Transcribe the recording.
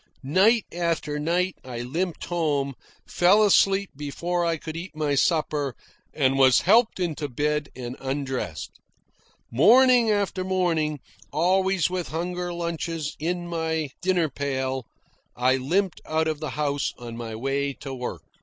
Night after night I limped home, fell asleep before I could eat my supper, and was helped into bed and undressed. Morning after morning, always with huger lunches in my dinner pail, I limped out of the house on my way to work.